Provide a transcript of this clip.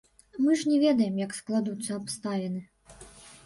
Мы ж не ведаем, як складуцца абставіны.